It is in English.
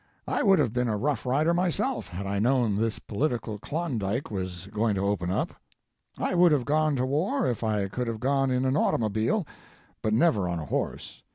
I would have been a Rough Rider myself had I known this political Klondike was going to open up. I would have gone to war if I could have gone in an automobile, but never on a horse.